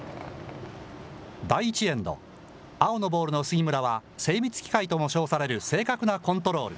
第１エンド、青のボールの杉村は、精密機械とも称される正確なコントロール。